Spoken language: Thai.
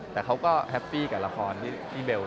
แต่เขาก็แฮปปี้กับละครที่เบล